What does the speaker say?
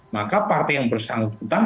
maka partai yang bersangkutan